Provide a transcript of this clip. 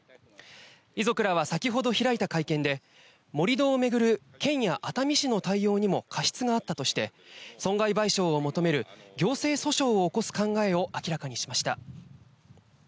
遺族らは先ほど開いた会見で、盛り土をめぐる、県や熱海市の対応にも過失があったとして損害賠償を求める行政訴訟を起こす考えを明らかにしました。